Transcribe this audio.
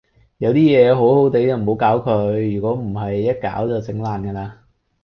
有啲嘢好好地就唔好搞佢，如果唔係一搞就整爛㗎啦